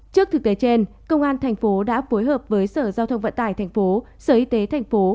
trước thực tế trên công an thành phố đã phối hợp với sở giao thông vận tải thành phố sở y tế thành phố